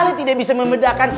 ale tidak bisa membedakan